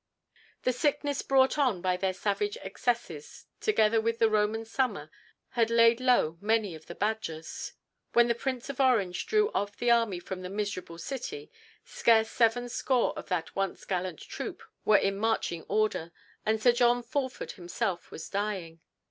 The sickness brought on by their savage excesses together with the Roman summer had laid low many of the Badgers. When the Prince of Orange drew off the army from the miserable city, scarce seven score of that once gallant troop were in marching order, and Sir John Fulford himself was dying.